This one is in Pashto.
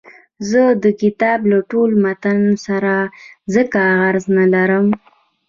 زه د کتاب له ټول متن سره ځکه غرض نه لرم.